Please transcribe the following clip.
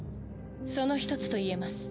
その１つと言えます。